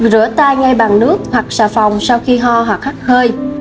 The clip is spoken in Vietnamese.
rửa tay ngay bằng nước hoặc xà phòng sau khi ho hoặc hắt hơi